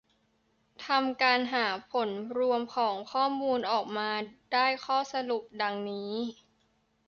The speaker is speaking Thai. ทำการหาผลรวมของข้อมูลออกมาได้ข้อสรุปดังนี้